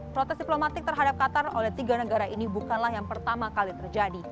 protes diplomatik terhadap qatar oleh tiga negara ini bukanlah yang pertama kali terjadi